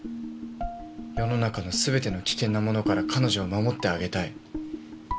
世の中の全ての危険なものから彼女を守ってあげたい。